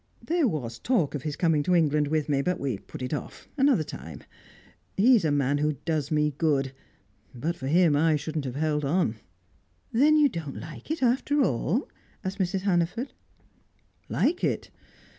There was talk of his coming to England with me, but we put it off; another time. He's a man who does me good; but for him, I shouldn't have held on." "Then you don't like it, after all?" asked Mrs. Hannaford. "Like it?